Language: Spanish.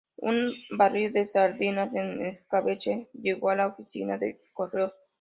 Un barril de sardinas en escabeche llegó a la oficina de correos.